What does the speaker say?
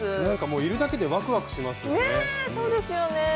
なんかもういるだけでワクワクしますよね。